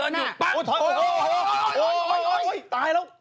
โอ้ยตายละ